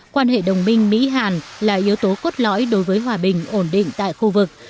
quan hệ đồng minh mỹ hàn là yếu tố cốt lõi đối với hòa bình ổn định tại khu vực